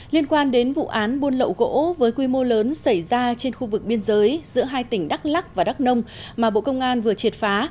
liên quan đến vụ án buôn lậu gỗ với quy mô lớn xảy ra trên khu vực biên giới giữa hai tỉnh đắk lắc và đắk nông mà bộ công an vừa triệt phá